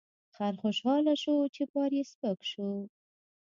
خر خوشحاله شو چې بار یې سپک شو.